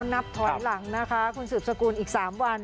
ก็แล้วมันจะนับถอยหลังนะคะคุณสืบสกุลอีก๓วัน